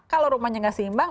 kalau rumahnya gak seimbang